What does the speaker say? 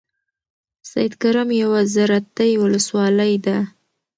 سیدکرم یوه زرعتی ولسوالۍ ده.